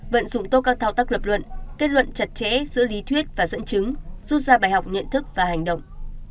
vận dụng tốt các thao tác lập luận kết luận chặt chẽ giữa lý thuyết và dẫn chứng rút ra bài học nhận thức và hành động